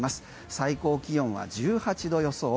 最高気温は１８度予想。